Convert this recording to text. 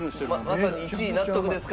まさに１位納得ですか？